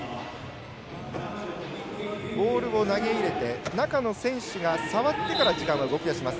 ボールを投げ入れて中の選手が触ってから時間は動きます。